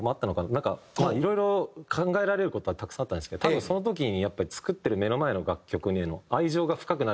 なんかいろいろ考えられる事はたくさんあったんですけど多分その時にやっぱり作ってる目の前の楽曲への。